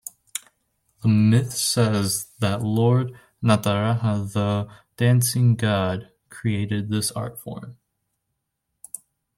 The myth says that Lord Nataraja, the Dancing God, created this art form.